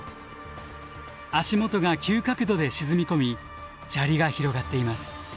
足もとが急角度で沈み込み砂利が広がっています。